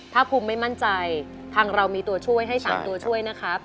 ถ้าภูมิไม่มั่นใจทางเรามีตัวช่วยให้๓ตัวช่วยนะครับ